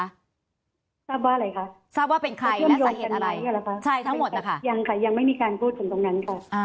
ทราบว่าอะไรคะทราบว่าเป็นใครเพื่อนทั้งหมดนะคะยังค่ะยังไม่มีการพูดถึงตรงนั้นค่ะ